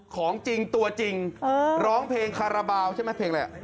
ของจริงตัวจริงร้องเพลงคาราบาลใช่ไหมเพลงอะไร